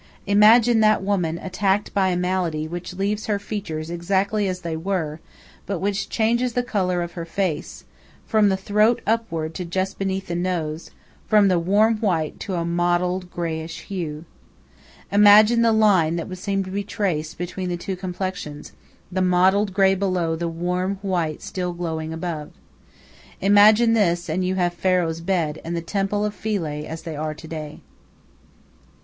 Imagine that woman attacked by a malady which leaves her features exactly as they were, but which changes the color of her face from the throat upward to just beneath the nose from the warm white to a mottled, greyish hue. Imagine the line that would seem to be traced between the two complexions the mottled grey below the warm white still glowing above. Imagine this, and you have "Pharaoh's Bed" and the temple of Philae as they are to day.